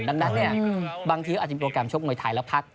ดังนั้นเนี่ยบางทีอาจจะมีโปรแกรมชกมวยไทยแล้วพัก